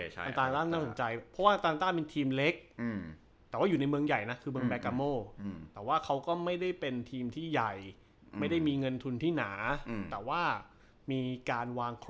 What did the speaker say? จากการพัฒนาของเขาด้วยอะไรเงี้ยอ่ะ